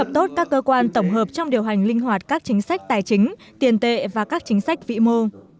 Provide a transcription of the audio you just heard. trong điều hành linh hoạt các chính sách tài chính tiền tệ và các chính sách vĩ mô